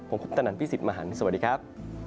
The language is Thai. ผมคุปตะนันพี่สิทธิ์มหันฯสวัสดีครับ